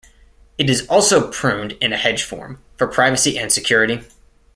It is also pruned in a hedge form, for privacy and security.